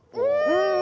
うん！